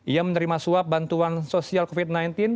ia menerima suap bantuan sosial covid sembilan belas